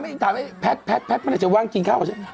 ไม่มีถามให้แพ้ตแพ้ตหรือไม่ได้จะว่างกินข้าวหรืออะไร